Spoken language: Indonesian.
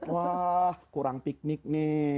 wah kurang piknik nih